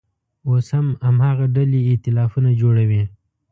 اوس هم هماغه ډلې اییتلافونه جوړوي.